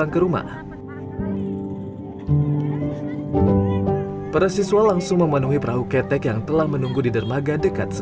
kalau kita kagum dengan kita masih ada siapa